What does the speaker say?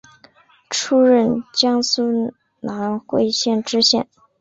出任江苏南汇县知县。